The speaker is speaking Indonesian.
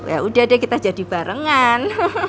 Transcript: yaudah deh kita jadi barengan